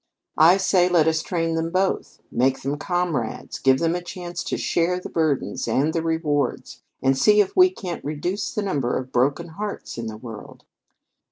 I say let us train them both, make them comrades, give them a chance to share the burdens and the rewards, and see if we can't reduce the number of broken hearts in the world."